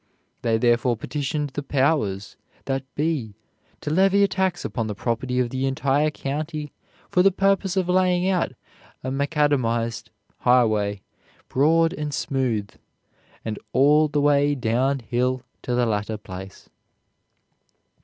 They therefore petitioned the Powers that be to levy a tax upon the property of the entire county for the purpose of laying out a macadamized highway, broad and smooth, and all the way down hill to the latter place."